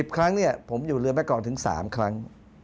ครั้งผมอยู่เรือนแม่กองถึง๓ครั้ง